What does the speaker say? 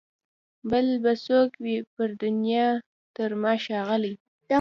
بل به څوک وي پر دنیا تر ما ښاغلی